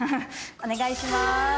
「お願いします」